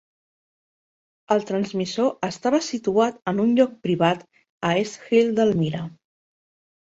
El transmissor estava situat en un lloc privat a East Hill d'Elmira.